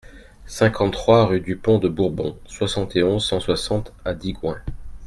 cinquante-trois rue du Pont de Bourbon, soixante et onze, cent soixante à Digoin